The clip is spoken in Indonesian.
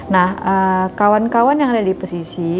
nah kawan kawan yang di dalam kelas ini